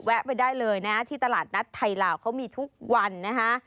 ไปได้เลยนะที่ตลาดนัดไทยลาวเขามีทุกวันนะฮะ